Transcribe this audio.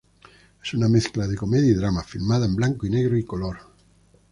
Es una mezcla de comedia y drama, filmada en blanco y negro y color.